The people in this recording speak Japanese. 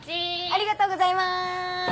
ありがとうございます。